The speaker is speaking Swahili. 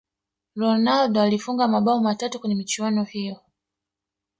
ronaldo alifunga mabao matatu kwenye michuano hiyo